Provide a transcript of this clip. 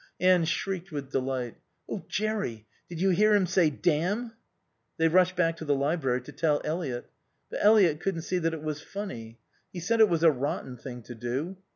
Anne shrieked with delight. "Oh Jerry, did you hear him say 'Damn'?" They rushed back to the library to tell Eliot. But Eliot couldn't see that it was funny. He said it was a rotten thing to do.